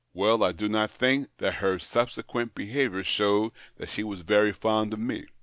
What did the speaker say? " Well, I do not think that her subsequent behaviour showed that she was very fond of me.